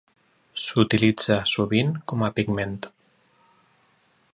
S'utilitza sovint com a pigment.